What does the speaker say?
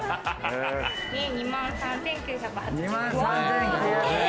２万３９８０円。